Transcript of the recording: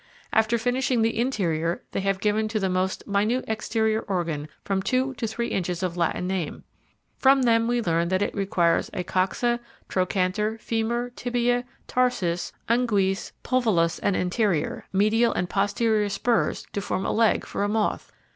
After finishing the interior they have given to the most minute exterior organ from two to three inches of Latin name. From them we learn that it requires a coxa, trochanter, femur, tibia, tarsus, ungues, pulvillus, and anterior, medial and posterior spurs to provide a leg for a moth.